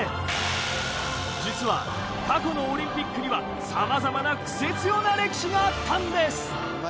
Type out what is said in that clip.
実は過去のオリンピックにはさまざまなクセ強な歴史があったんです。